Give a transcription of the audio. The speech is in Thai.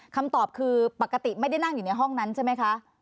คำตอบคือปกติไม่ได้นั่งอยู่ในห้องนั้นใช่ไหมคะ